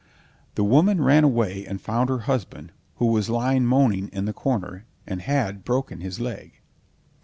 The woman ran away and found her husband, who was lying moaning in the corner, and had broken his leg.